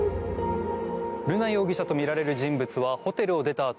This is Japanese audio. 瑠奈容疑者とみられる人物はホテルを出たあと